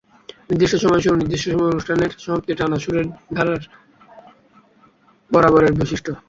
নির্দিষ্ট সময়ে শুরু, নির্দিষ্ট সময়ে অনুষ্ঠানের সমাপ্তি টানা সুরের ধারার বরাবরের বৈশিষ্ট্য।